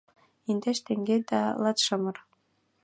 Индеш теҥге да латшымыр...